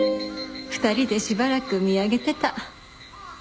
２人でしばらく見上げてた。